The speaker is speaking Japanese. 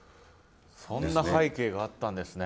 そんな背景があったんですね。